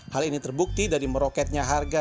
hal ini terbukti dari meroketnya harga